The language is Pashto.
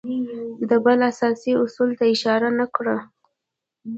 ده بل اساسي اصل ته اشاره نه کړه